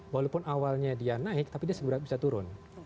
walaupun awalnya dia naik tapi dia segera bisa turun